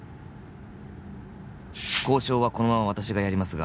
「交渉はこのまま私がやりますが」